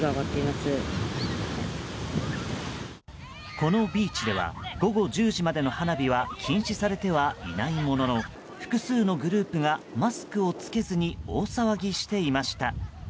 このビーチでは午後１０時までの花火は禁止されてはいないものの複数のグループがマスクを着けずに大騒ぎしていました。